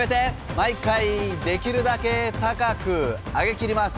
毎回できるだけ高く上げ切ります。